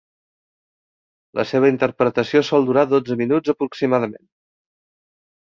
La seva interpretació sol durar dotze minuts aproximadament.